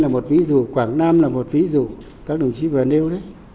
là một ví dụ quảng nam là một ví dụ các đồng chí vừa nêu đấy